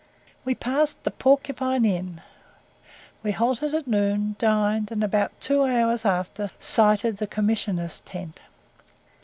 We passed the "Porcupine Inn." We halted at noon, dined, and about two hours after sighted the Commissioners' tent.